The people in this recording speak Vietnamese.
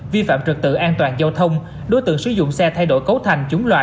vi phạm trật tự an toàn giao thông đối tượng sử dụng xe thay đổi cấu thành